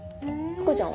福ちゃんは？